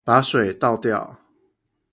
把水倒掉